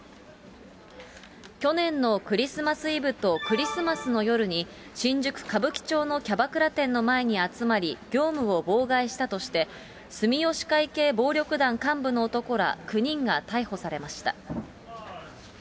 去年のクリスマスイブとクリスマスの夜に、新宿・歌舞伎町のキャバクラ店の前に集まり、業務を妨害したとして、住吉会系暴力団幹部の男ら９人が逮捕されました。